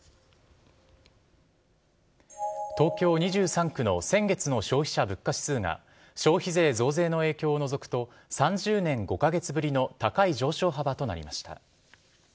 東京２３区の先月の消費者物価指数が、消費税増税の影響を除くと、３０年５か月ぶりの高い上昇幅となりました。